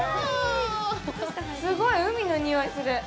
すごい海の匂いがする！